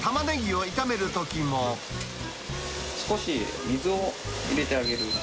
少し水を入れてあげる。